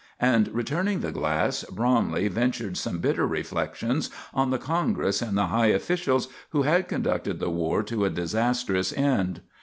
And returning the glass, Bromley ventured some bitter reflections on the Congress and the high officials who had conducted the war to a disastrous end.